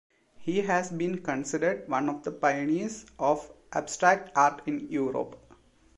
He has been considered one of the pioneers of abstract art in Europe.